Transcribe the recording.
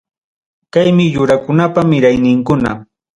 Kaymi yurakunapa mirayninkuna.